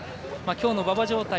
きょうの馬場状態